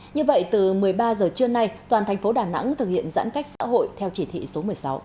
như vậy từ một mươi ba h trưa nay toàn thành phố đà nẵng thực hiện giãn cách xã hội theo chỉ thị số một mươi sáu